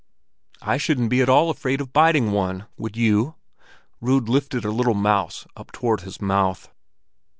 "I shouldn't be at all afraid of biting one; would you?" Rud lifted a little mouse up toward his mouth.